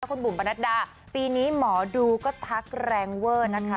คุณบุ๋มประนัดดาปีนี้หมอดูก็ทักแรงเวอร์นะคะ